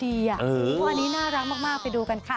อันนี้น่ารักมากไปดูกันค่ะ